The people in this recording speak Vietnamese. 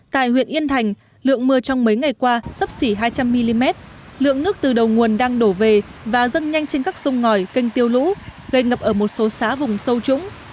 tại huyện yên thành lượng mưa trong mấy ngày qua sắp xỉ hai trăm linh mm lượng nước từ đầu nguồn đang đổ về và dâng nhanh trên các sông ngòi kênh tiêu lũ gây ngập ở một số xã vùng sâu trúng